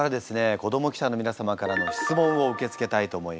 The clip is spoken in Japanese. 子ども記者の皆様からの質問を受け付けたいと思います。